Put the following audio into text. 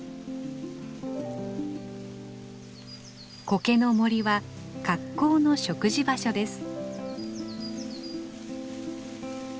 コケの森は格好の食事場所です。